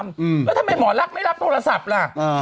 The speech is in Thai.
แล้วทำไมหมอลักษณ์ไม่รับโทรศัพท์ล่ะ